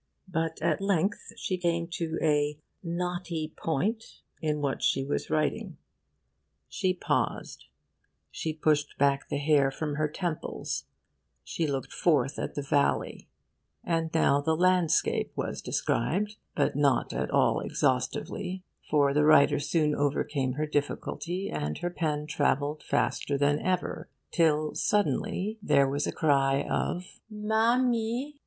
But at length she came to a 'knotty point' in what she was writing. She paused, she pushed back the hair from her temples, she looked forth at the valley; and now the landscape was described, but not at all exhaustively, it, for the writer soon overcame her difficulty, and her pen travelled faster than ever, till suddenly there was a cry of 'Mammy!